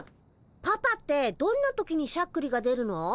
パパってどんな時にしゃっくりが出るの？